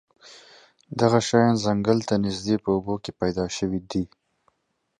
This species is found in forests near water.